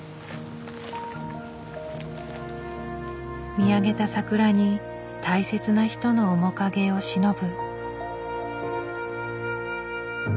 見上げた桜に大切な人の面影をしのぶ。